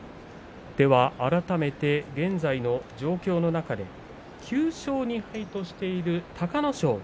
改めて現在の状況の中で９勝２敗としている隆の勝。